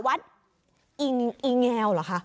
วัดอิงอิงแงวเหรอคะ